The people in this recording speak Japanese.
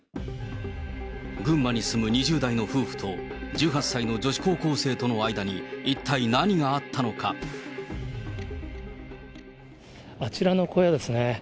群馬に住む２０代の夫婦と１８歳の女子高校生との間に、一体あちらの小屋ですね。